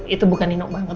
itu bukan nino banget